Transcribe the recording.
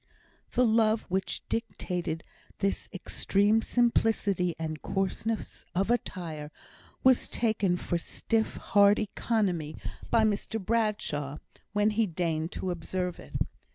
The love which dictated this extreme simplicity and coarseness of attire, was taken for stiff, hard economy by Mr Bradshaw, when he deigned to observe it.